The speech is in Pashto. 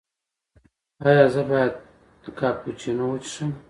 ایا زه باید کاپوچینو وڅښم؟